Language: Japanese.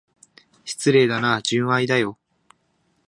失礼だな、純愛だよ。